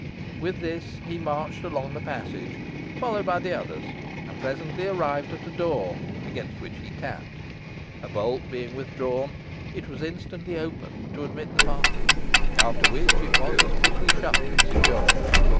With this, he marched along the passage, followed by the others, and presently arrived at a door, against which he tapped. A bolt being withdrawn, it was instantly opened to admit the party, after which it was as quickly shut, and secured.